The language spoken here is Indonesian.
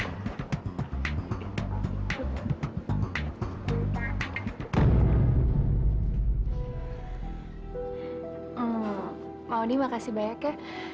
oh maudie makasih banyaknya